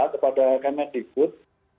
kepada kmd good